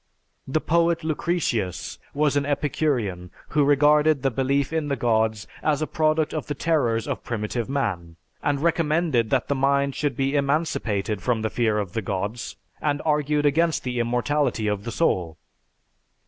The poet Lucretius was an epicurean who regarded the belief in the gods as a product of the terrors of primitive man and recommended that the mind should be emancipated from the fear of the gods and argued against the immortality of the soul.